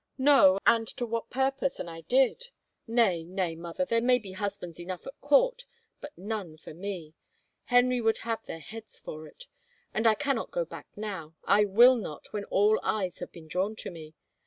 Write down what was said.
" No, and to what purpose an I did ? Nay, nay, mother, there may be husbands enough at court, but none for me — Henry would have their heads for it ! And I can not go back now, I will not, when all eyes have been drawn to me.